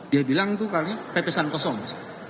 dia bilang itu kali pepesan kosong